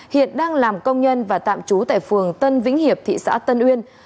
hiện đang làm công nhân và tạm trú tại phường tân vĩnh hiệp thị xã tân uyên